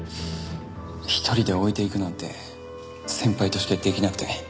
一人で置いていくなんて先輩としてできなくて。